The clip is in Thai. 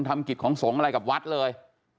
กิจของสงฆ์อะไรกับวัดเลย